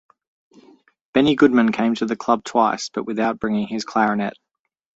Benny Goodman came to the club twice, but without bringing his clarinet.